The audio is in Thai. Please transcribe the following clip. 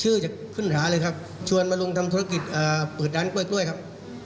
ชื่อจะขึ้นหาเลยครับชวนมาลงทำธุรกิจเปิดดานกล้วยกล้วยครับ